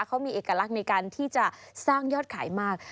เขามีเอกลักษณ์ในการที่จะสร้างยอดขายมาก